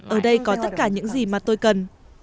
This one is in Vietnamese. ở đây có tất cả những gì mà tôi cần